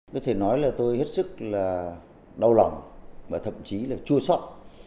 có thể nói là tôi hết sức là đau lòng và thậm chí là chua sót